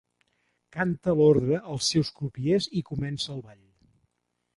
Canta l'ordre als seus crupiers i comença el ball.